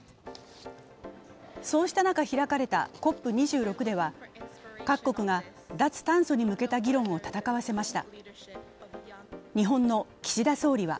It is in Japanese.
そうした中、開かれたＣＯＰ２６では各国が脱炭素に向けた議論を戦わせました。